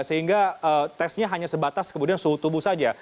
sehingga tesnya hanya sebatas kemudian suhu tubuh saja